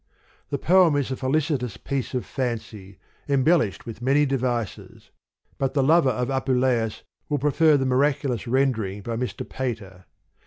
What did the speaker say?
" The poem is a felicitous piece of fancy, em bellished with many devices : but the lover of Apuleius will prefer the miraculous ren dering by Mr. Pater.